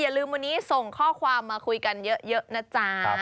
อย่าลืมวันนี้ส่งข้อความมาคุยกันเยอะนะจ๊ะ